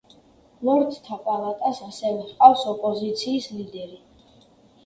ლორდთა პალატას ასევე ჰყავს ოპოზიციის ლიდერი.